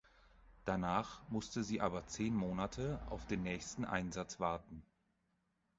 Danach musste sie aber zehn Monate auf den nächsten Einsatz warten.